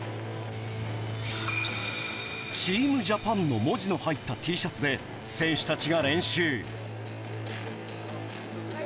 「ＴＥＡＭＪＡＰＡＮ」の文字の入ったＴシャツで選手たちが練習。